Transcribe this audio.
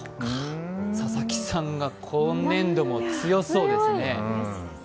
佐々木さんが今年度も強そうですね。